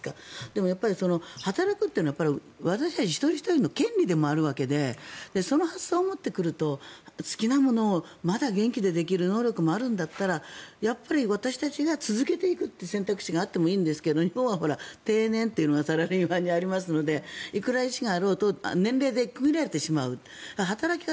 でも、働くというのは私たち一人ひとりの権利でもあるわけでその発想を持ってくると好きなものをまだ元気でできる能力があるんだったらやっぱり、私たちが続けていくという選択肢があってもいいんですけど日本は定年というのがサラリーマンにありますのでいくら意思があろうと年齢で区切られてしまう。